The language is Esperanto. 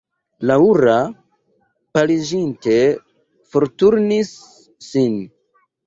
Laŭra, paliĝinte, forturnis sin.